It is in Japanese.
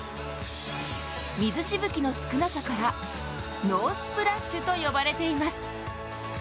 水しぶきの少なさから、ノースプラッシュと呼ばれています。